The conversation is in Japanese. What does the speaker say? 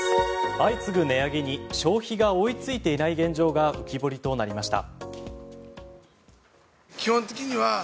相次ぐ値上げに消費が追いついていない現状が浮き彫りとなりました。